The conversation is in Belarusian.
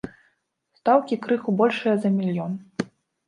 Стаўкі крыху большыя за мільён.